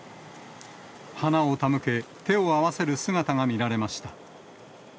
花を手向け、手を合わせる姿が見られました。